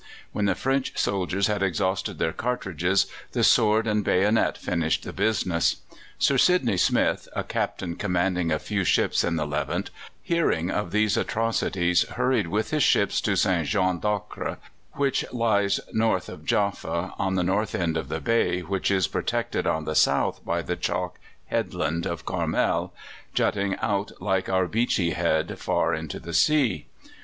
When the French soldiers had exhausted their cartridges, the sword and bayonet finished the business. Sir Sidney Smith, a Captain commanding a few ships in the Levant, hearing of these atrocities, hurried with his ships to St. Jean d'Acre, which lies north of Jaffa, on the north end of the bay which is protected on the south by the chalk headland of Carmel, jutting out like our Beachy Head far into the sea.